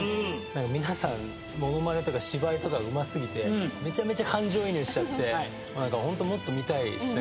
皆さんモノマネとか芝居とかうま過ぎてめちゃめちゃ感情移入してホントもっと見たいですね。